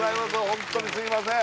ホントにすいません